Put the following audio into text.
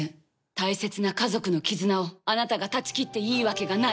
大切な家族の絆をあなたが断ち切っていいわけがない。